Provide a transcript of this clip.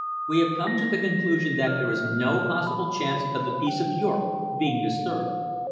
We have come to the conclusion that there is no possible chance of the peace of Europe being disturbed.